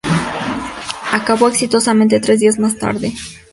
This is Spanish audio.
Acabó exitosamente tres días más tarde.